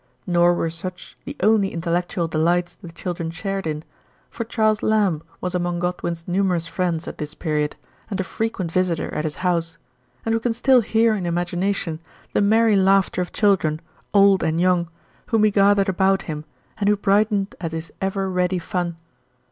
Nor were such the only intellectual delights the children shared in, for Charles Lamb was among Godwin's numerous friends at this period, and a frequent visitor at his house ; and we can still hear in imagination the merry laughter of children, old and young, whom he gathered about him, and who brightened at his ever ready fun.